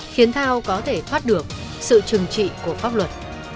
khiến thao có thể thoát được sự trừng trị của pháp luật